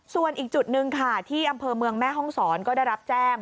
ส่วนอีกจุดหนึ่งค่ะที่อำเภอเมืองแม่ห้องศรก็ได้รับแจ้ง